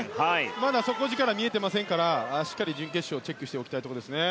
底力が見えていませんから準決勝しっかりチェックをしておきたいところですね。